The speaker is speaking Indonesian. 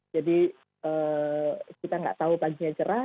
jadi kita nggak tahu paginya cerah